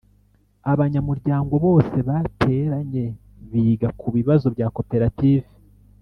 abanyamuryango bose bateranye biga ku bibazo bya koperative